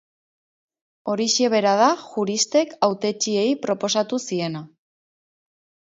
Horixe bera da juristek hautetsiei proposatu ziena.